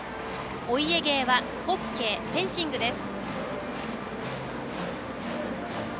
お家芸はホッケーフェンシングです。